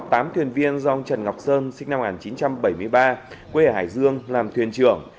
tàu có tám thuyền viên dòng trần ngọc sơn sinh năm một nghìn chín trăm bảy mươi ba quê ở hải dương làm thuyền trưởng